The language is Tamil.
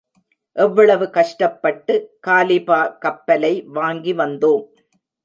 எவ்வளவு கஷ்டப்பட்டு காலிபா கப்பலை வாங்கி வந்தோம்.